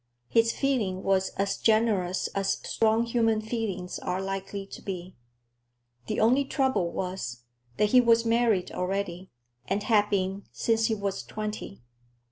His feeling was as generous as strong human feelings are likely to be. The only trouble was, that he was married already, and had been since he was twenty.